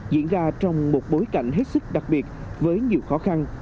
diễn ra trong một bối cảnh hết sức đặc biệt với nhiều khó khăn